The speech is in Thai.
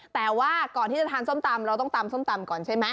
แต่ว่าก่อนที่จะทานส้มตำเราต้องตำส้มตำก่อนใช่ไหม